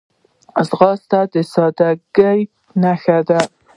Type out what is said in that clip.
ځغاسته د سادګۍ نښه ده